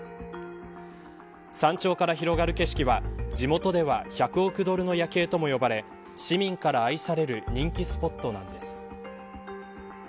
山頂から広がる景色は地元では、１００億ドルの夜景とも呼ばれ市民から愛される人気スポットなんです。